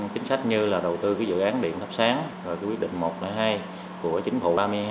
chính sách như là đầu tư dự án điện thấp sáng quyết định một hai của chính phủ